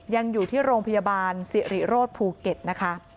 ยังอยู่ที่โรงพยาบาลสิริโรธภูเก็ตนะคะ